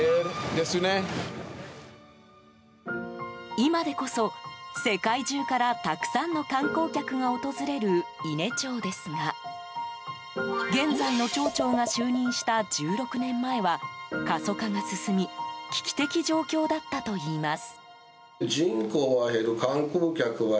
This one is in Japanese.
今でこそ、世界中からたくさんの観光客が訪れる伊根町ですが現在の町長が就任した１６年前は過疎化が進み危機的状況だったといいます。